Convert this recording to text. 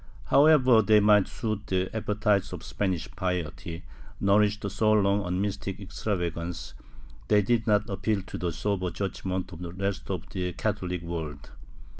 However they might suit the appetite of Spanish piety, nourished so long on mystic extravagance, they did not appeal to the sober judgement of the rest of the Catholic world.